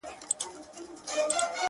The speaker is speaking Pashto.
په دوکان یې عیال نه سو مړولای؛